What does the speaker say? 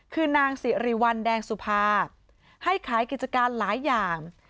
คือนางสิริวัลแดงสุภาให้ขายกิจการหลายอย่าง